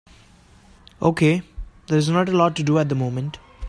Okay, there is not a lot to do at the moment.